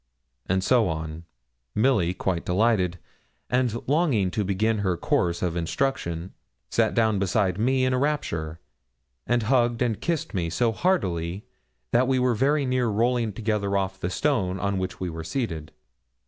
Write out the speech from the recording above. And so on, Milly, quite delighted, and longing to begin her course of instruction, sat down beside me in a rapture, and hugged and kissed me so heartily that we were very near rolling together off the stone on which we were seated.